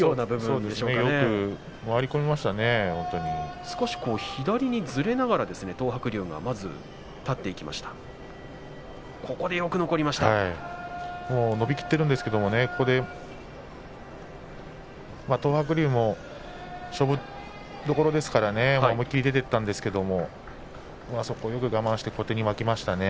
東白龍、左にずれながら立っていきましたが伸びきっているんですけれどもねよく東白龍も勝負どころですから思い切って出ていったんですがそこをよく我慢して小手に巻きましたね。